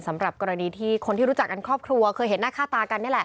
สำหรับกรณีที่คนที่รู้จักกันครอบครัวเคยเห็นหน้าค่าตากันนี่แหละ